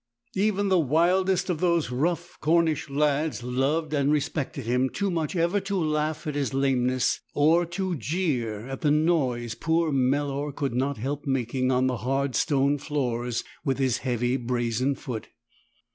Even the wildest of those rough Cornish lads loved and respected him too much ever to laugh at his lameness, or to jeer at the noise poor Melor could not help making on the hard stone floors with his heavy brazen foot.